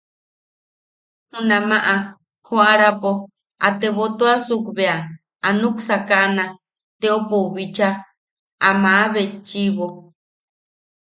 Junamaʼa joʼarapo a tebotuasuk bea a nuksakaʼana teopou bicha, a maʼa betchiʼibo.